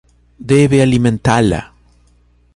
Deve alimentá-la.